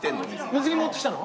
水着持ってきたの？